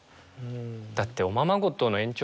だって。